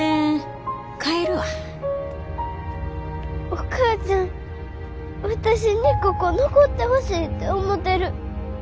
お母ちゃん私にここ残ってほしいて思てる。